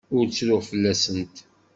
Ur ttruɣ fell-asent.